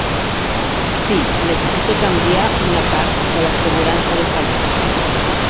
Sí, necessito canviar una part de l'assegurança de salut.